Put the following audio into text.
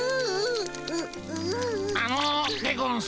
あのでゴンス。